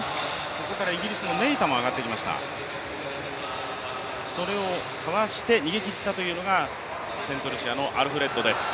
ここからイギリスのネイタも上がってきましたそれをかわして逃げ切ったというのがセントルシアのアルフレッドです。